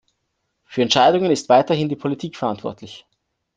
Für Entscheidungen ist weiterhin die Politik verantwortlich.